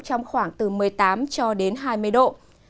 trong khoảng từ một mươi tám cho đến hai mươi độ